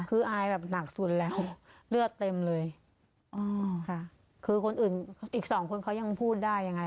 คืออายแบบหนักสุดแล้วเลือดเต็มเลยอ๋อค่ะคือคนอื่นอีกสองคนเขายังพูดได้ยังไง